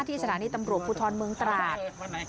ที่สถานีตำรวจภูทรเมืองตราด